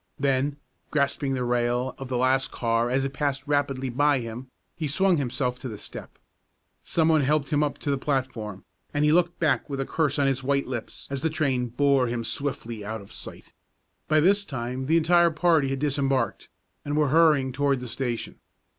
Then, grasping the rail of the last car as it passed rapidly by him, he swung himself to the step. Some one helped him up to the platform, and he looked back with a curse on his white lips as the train bore him swiftly out of sight. By this time the entire party had disembarked, and were hurrying toward the station.